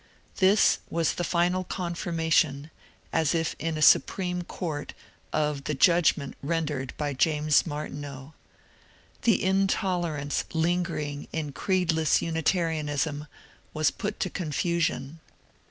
This was the final confirmation, as if in a supreme court, of the judgment rendered by James Martineau. The intoler ance lingering in creedless Unitarianism was put to confusion.